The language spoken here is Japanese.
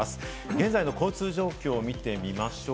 現在の交通状況を見てみましょう。